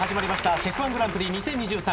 ＣＨＥＦ−１グランプリ２０２３